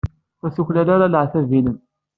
Ur tuklal ara leɛtab-nnem.